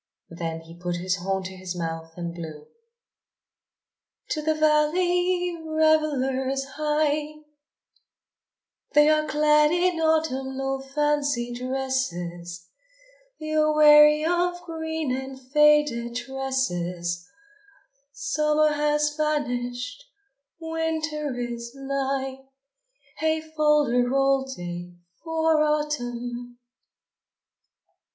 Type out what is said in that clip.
Then he put his horn to his mouth and blew: To the valley revellers hie! They are clad in autumnal fancy dresses, They are weary of green and faded tresses, Summer has vanished, Winter is nigh Hey fol de rol day for Autumn!